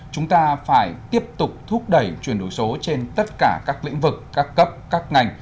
chúng ta phải tiếp tục thúc đẩy chuyển đổi số trên tất cả các lĩnh vực các cấp các ngành